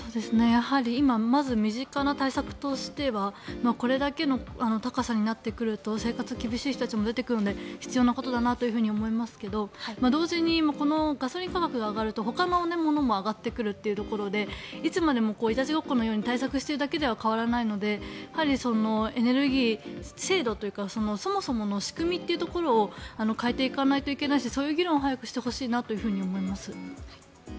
今、まず身近な対策としてはこれだけの高さになってくると生活が厳しい人たちも出てくるので必要なことだなと思いますけど同時にこのガソリン価格が上がるとほかのものも上がってくるというところでいつまでもいたちごっこのように対策しているだけでは変わらないのでやはりエネルギー制度というかそもそもの仕組みというところを変えていかないといけないしそういう議論を早くしてほしいなと思います。